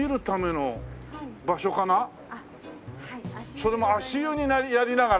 それも足湯をやりながら。